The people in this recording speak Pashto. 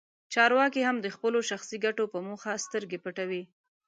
چارواکي هم د خپلو شخصي ګټو په موخه سترګې پټوي.